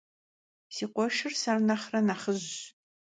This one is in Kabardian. Si khueşşır se nexhre nexhıjş.